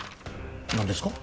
何ですか？